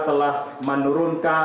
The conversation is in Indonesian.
dan angkanya dia mampu menghasilkan